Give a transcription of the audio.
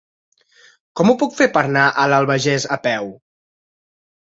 Com ho puc fer per anar a l'Albagés a peu?